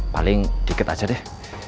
paling dikit aja deh